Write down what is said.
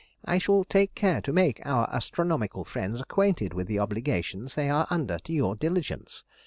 I shall take care to make our astronomical friends acquainted with the obligations they are under to your diligence.